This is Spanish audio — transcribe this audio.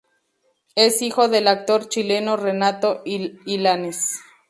Es hijo del actor chileno Renato Illanes.